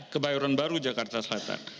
kebayoran baru jakarta selatan